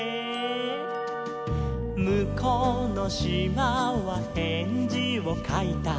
「むこうのしまはへんじをかいた」